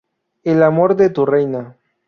El amor de tu Reina.